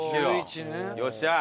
よっしゃー！